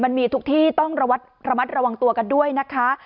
มันมีทุกที่ต้องระมัดระวังตัวกันด้วยนะคะ